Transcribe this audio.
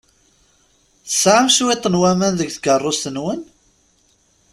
Tesɛam cwiṭ n waman deg tkeṛṛust-nwen?